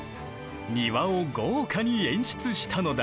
庭を豪華に演出したのだ。